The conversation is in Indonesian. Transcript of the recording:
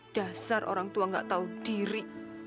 dasar orang tua gak tahu diri